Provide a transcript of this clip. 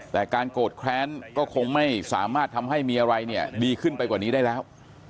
แต่การโกรธแค้นก็คงไม่สามารถทำให้มีอะไรเนี่ยดีขึ้นไปกว่านี้ได้แล้ว